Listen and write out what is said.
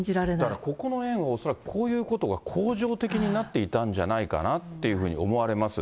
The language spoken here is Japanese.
だからここの園は恐らくこういうことが恒常的になっていたんじゃないかなって思われます。